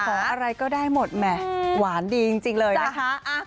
อะไรก็ได้หมดแหม่หวานดีจริงเลยนะคะ